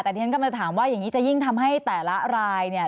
แต่ผมก็มาถามว่ายิ่งทำให้แต่ละรายเนี่ย